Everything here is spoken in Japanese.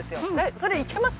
それいけます？